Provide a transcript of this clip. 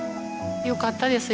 よかったです